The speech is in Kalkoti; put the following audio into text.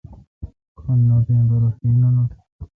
کھن نوٹیں پرہ خیں نہ نوٹیں۔